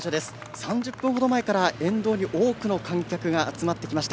３０分程前から沿道に多くの観客が集まってきました。